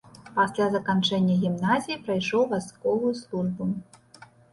Пасля заканчэння гімназіі прайшоў вайсковую службу.